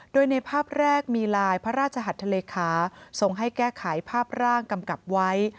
โดยในภาพแรกมีลายพระราชหัสทะเลขาทรงให้แก้ไขภาพร่างกำกับไว้